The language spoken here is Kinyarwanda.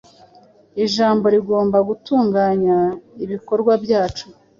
ijambo rigomba gutunganya ibikorwa byacu,